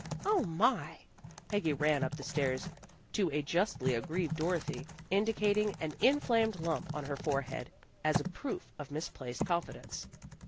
"Oh, my!" Peggy ran up the stairs, to a justly aggrieved Dorothy, indicating an inflamed lump on her forehead, as a proof of misplaced confidence.